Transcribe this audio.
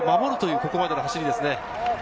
ここまでの走りですね。